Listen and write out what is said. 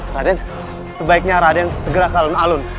raden sebaiknya raden segera ke alun alun